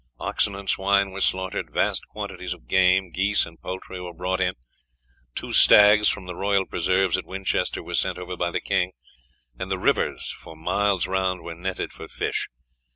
Oxen and swine were slaughtered, vast quantities of game, geese, and poultry were brought in, two stags from the royal preserves at Winchester were sent over by the king, and the rivers for miles round were netted for fish.